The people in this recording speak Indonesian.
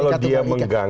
karena kalau dia mengganggu